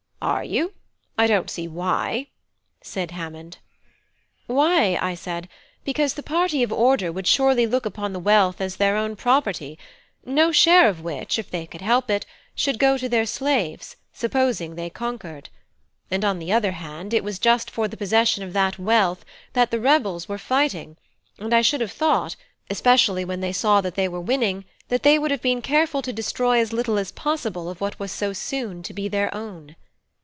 "Are you? I don't see why," said Hammond. "Why," I said, "because the party of order would surely look upon the wealth as their own property, no share of which, if they could help it, should go to their slaves, supposing they conquered. And on the other hand, it was just for the possession of that wealth that 'the rebels' were fighting, and I should have thought, especially when they saw that they were winning, that they would have been careful to destroy as little as possible of what was so soon to be their own."